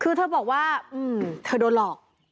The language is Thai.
คือเธอบอกว่าเธอโดนหลอก